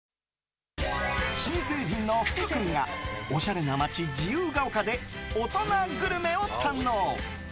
新成人の福君がおしゃれな街・自由が丘で大人グルメを堪能。